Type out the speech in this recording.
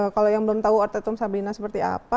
kalau yang belum tahu artetum sabina seperti apa